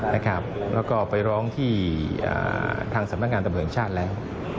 แล้วก็ไปร้องที่ทางสำนักงานตำรวจแห่งชาติแล้ว